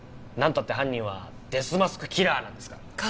なんたって犯人はデスマスクキラーなんですから。